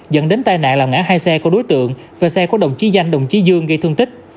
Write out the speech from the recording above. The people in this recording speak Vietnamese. dẫn đến tai nạn làm ngã hai xe của đối tượng và xe của đồng chí danh đồng chí dương gây thương tích